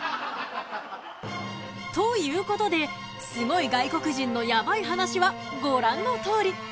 ［ということでスゴい外国人のヤバい話はご覧のとおり］